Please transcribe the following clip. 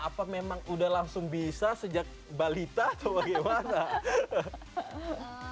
apa memang udah langsung bisa sejak balita atau bagaimana